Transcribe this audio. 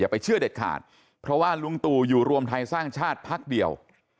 ไปเชื่อเด็ดขาดเพราะว่าลุงตู่อยู่รวมไทยสร้างชาติพักเดียว